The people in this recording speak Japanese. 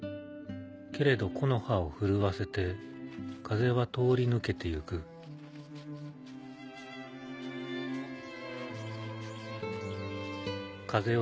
「けれど木の葉を顫わせて風は通りぬけていく」風よ